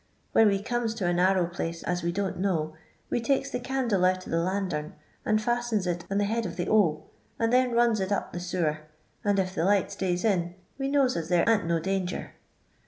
When we comes to a narrow place as we don't know, we takes the candle out of the lantern and fiistens it on the bend of the o, and then runs it up the sewer, and if the light stays in, we knows as there a'n't no danger.